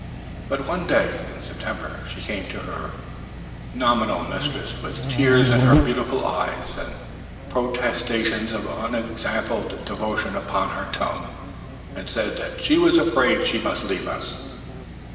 But one day in September she came to her nominal mistress with tears in her beautiful eyes and protestations of unexampled devotion upon her tongue, and said that she was afraid she must leave us.